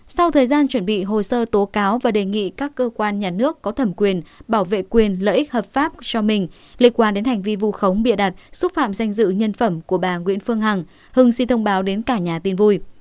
sau thời gian chuẩn bị hồ sơ tố cáo và đề nghị các cơ quan nhà nước có thẩm quyền bảo vệ quyền lợi ích hợp pháp cho mình liên quan đến hành vi vu khống bịa đặt xúc phạm danh dự nhân phẩm của bà nguyễn phương hằng hưng xin thông báo đến cả nhà tin vui